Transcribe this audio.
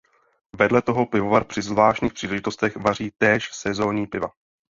Vedle toho pivovar při zvláštních příležitostech vaří též sezónní piva.